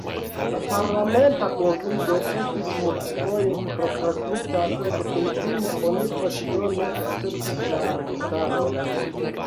La parlamenta kunsido estis multfoje prokrastita sed finfine oni voĉdone akceptis la registaron.